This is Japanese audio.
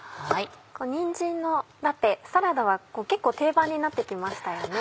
にんじんのラペサラダは結構定番になって来ましたよね。